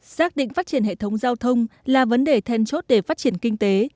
xác định phát triển hệ thống giao thông là vấn đề then chốt để phát triển kinh tế